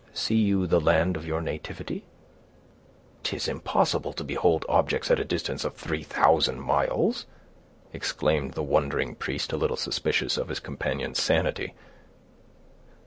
See you the land of your nativity?" "'Tis impossible to behold objects at a distance of three thousand miles!" exclaimed the wondering priest, a little suspicious of his companion's sanity.